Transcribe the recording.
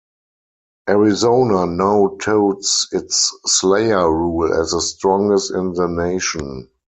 Arizona now touts its slayer rule as the strongest in the nation.